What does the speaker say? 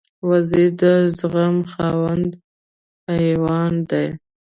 وزې د زغم خاوند حیوان دی